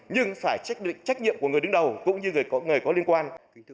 nhưng phải trách nhiệm của người đứng đầu cũng như người có liên quan